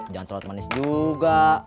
jangan terlalu manis juga